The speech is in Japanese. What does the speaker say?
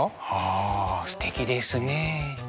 あすてきですね。